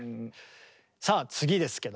さあ次ですけども。